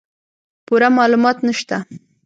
پوره معلومات نشته